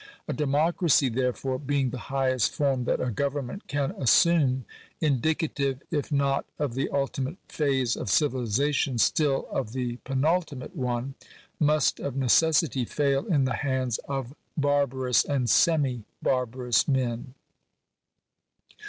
A democracy, therefore, being the highest form that a government can assume — indicative, if not of the ultimate phase of civilization, still of the penultimate one — must of necessity fail in the hands of barbarous and semi barbarous men.